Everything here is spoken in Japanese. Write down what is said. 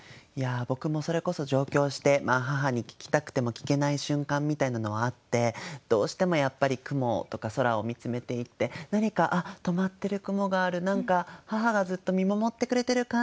僕もそれこそ上京して母に聞きたくても聞けない瞬間みたいなのはあってどうしてもやっぱり雲とか空を見つめていて何か止まってる雲がある何か母がずっと見守ってくれている感じ